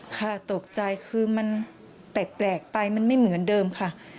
ค่ะตกใจคือมันแปลกไปมันไม่เหมือนเดิมค่ะ